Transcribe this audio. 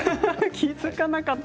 気付かなかった。